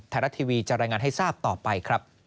ไทยรัฐทีวีจะรายงานให้ทราบต่อไปครับ